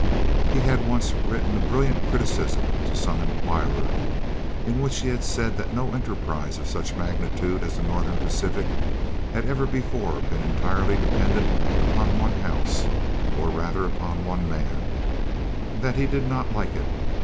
He had once written a brilliant criticism to some inquirer, in which he had said that no enterprise of such magnitude as the Northern Pacific had ever before been entirely dependent upon one house, or rather upon one man, and that he did not like it.